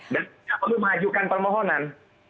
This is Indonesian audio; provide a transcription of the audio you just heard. dan perlu mengajukan permohonan